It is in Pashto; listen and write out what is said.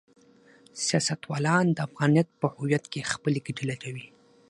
سیاستوالان د افغانیت په هویت کې خپلې ګټې لټوي.